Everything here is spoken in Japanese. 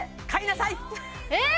えっ？